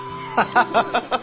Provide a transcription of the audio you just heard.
ハハハハ！